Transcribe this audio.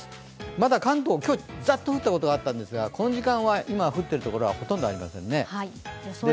まだ関東、今日ザッと降ったことはあったんですが、この時間は今、降っているところはほとんどありませんね。